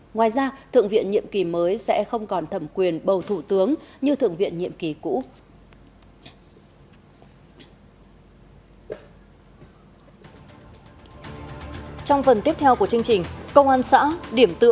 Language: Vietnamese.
ngoài ra thượng viện nhiệm ký mới sẽ không còn thẩm quyền bầu thủ tướng như thượng viện nhiệm ký mới